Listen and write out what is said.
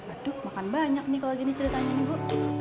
aduh makan banyak nih kalau gini ceritanya ini bu